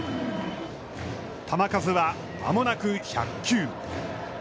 球数は、間もなく１００球。